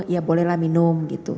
ya bolehlah minum gitu